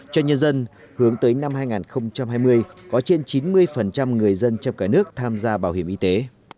cho nhân dân hướng tới năm hai nghìn hai mươi có trên chín mươi người dân trong cả nước tham gia bảo hiểm y tế